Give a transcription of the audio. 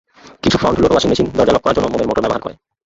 কিছু front load washing machine দরজা lock করার জন্য মোমের মোটর ব্যবহার করে।